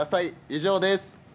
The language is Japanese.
以上です。